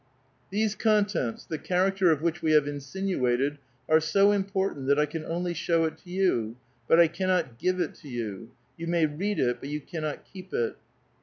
These con tents, the character of which we have insinuated, are so important that I can only show it to you, but I cannot give it to you. You may read it, but you cannot keep it."